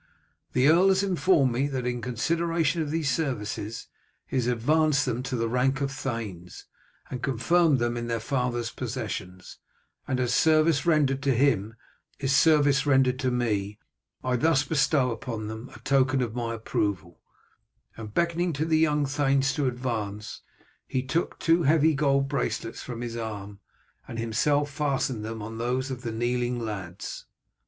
The earl has informed me that in consideration of these services he has advanced them to the rank of thanes, and confirmed them in their father's possessions, and as service rendered to him is service rendered to me, I thus bestow upon them a token of my approval;" and beckoning to the young thanes to advance, he took two heavy gold bracelets from his arm, and himself fastened them on those of the kneeling lads.